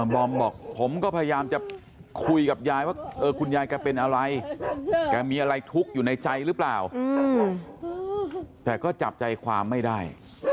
บอมบอกผมก็พยายามจะคุยกับยายว่าคุณยายแกเป็นอะไรแกมีอะไรทุกข์อยู่ในใจหรือเปล่าแต่ก็จับใจความไม่ได้